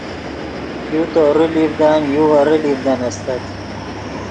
یو تورو لیڤدن یو ویرے لیڤدن استت